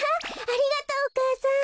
ありがとうお母さん。